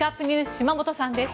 島本さんです。